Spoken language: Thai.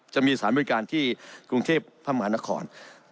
จะมีสารบริการที่กรุงเทพมหานคร